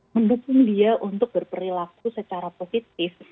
mendukung dia untuk berperilaku secara positif